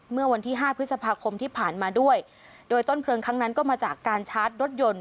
เมื่อวันที่ห้าพฤษภาคมที่ผ่านมาด้วยโดยต้นเพลิงครั้งนั้นก็มาจากการชาร์จรถยนต์